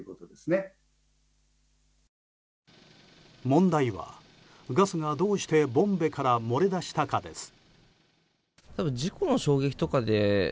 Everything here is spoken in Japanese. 問題は、ガスがどうしてボンベから漏れ出したかです。